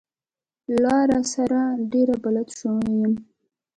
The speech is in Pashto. لاره سره ډېر بلد شوی يم.